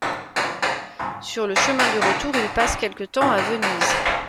Sur le chemin du retour, il passe quelque temps à Venise.